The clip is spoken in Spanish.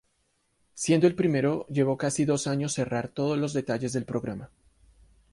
Siendo el primero, llevo casi dos años cerrar todos los detalles del programa.